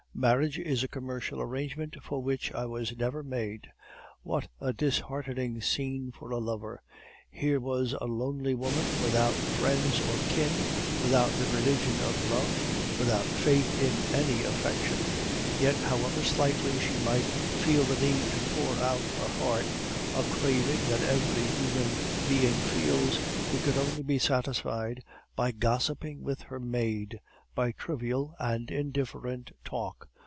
Marriage is a commercial arrangement, for which I was never made.' "What a disheartening scene for a lover! Here was a lonely woman, without friends or kin, without the religion of love, without faith in any affection. Yet however slightly she might feel the need to pour out her heart, a craving that every human being feels, it could only be satisfied by gossiping with her maid, by trivial and indifferent talk....